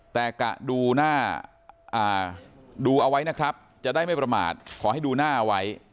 แต่กะดูหน้าดูเอาไว้นะครับจะได้ไม่ประมาทขอให้ดูหน้าไว้